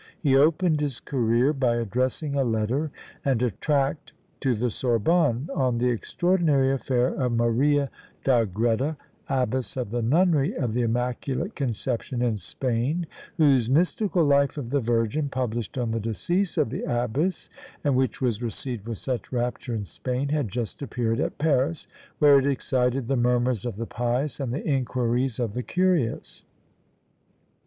He opened his career by addressing a letter and a tract to the Sorbonne, on the extraordinary affair of Maria d'Agreda, abbess of the nunnery of the Immaculate Conception in Spain, whose mystical Life of the Virgin, published on the decease of the abbess, and which was received with such rapture in Spain, had just appeared at Paris, where it excited the murmurs of the pious, and the inquiries of the curious.